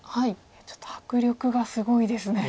ちょっと迫力がすごいですね。